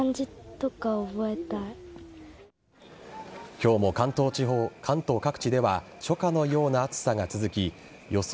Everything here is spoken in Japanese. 今日も関東各地では初夏のような暑さが続き予想